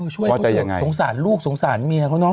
ช่วยเขาเถอะสงสารลูกสงสารเมียเขาเนาะ